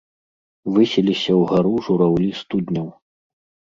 Высіліся ўгару жураўлі студняў.